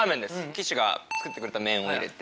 岸が作ってくれた麺を入れて。